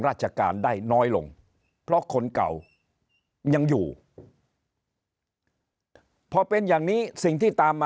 ราชการได้น้อยลงเพราะคนเก่ายังอยู่พอเป็นอย่างนี้สิ่งที่ตามมา